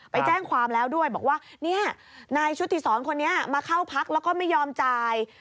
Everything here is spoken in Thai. ไปแจ้งความแล้วด้วยบอกว่าเนี่ยนายชุติศรคนนี้มาเข้าพักแล้วก็ไม่ยอมจ่าย